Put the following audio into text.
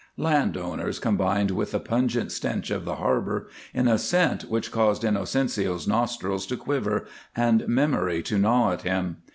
Land odors combined with the pungent stench of the harbor in a scent which caused Inocencio's nostrils to quiver and memory to gnaw at him.